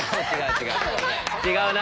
違うな！